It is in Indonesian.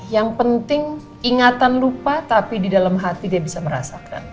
yang penting ingatan lupa tapi di dalam hati dia bisa merasakan